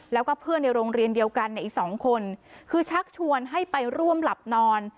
แล้วก็เพื่อนในโรงเรียนเดียวกันเนี่ยอีกสองคนคือชักชวนให้ไปร่วมหลับนอน